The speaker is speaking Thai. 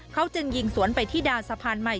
เขาจึงยิงสวนไปที่ด่านสะพานใหม่